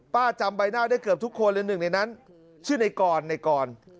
จำใบหน้าได้เกือบทุกคนเลยหนึ่งในนั้นชื่อในกรในกร